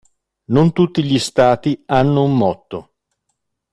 Non tutti gli stati hanno un motto.